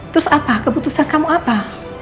terus apa keputusan kamu apa